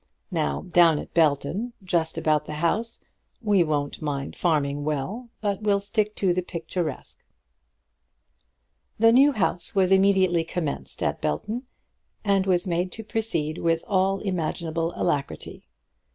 Now, down at Belton, just about the house, we won't mind farming well, but will stick to the picturesque." The new house was immediately commenced at Belton, and was made to proceed with all imaginable alacrity.